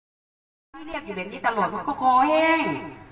อันนี้มีความรู้สึกว่าพี่เรียกอยู่แบบนี้ตลอดมันก็คอแห้ง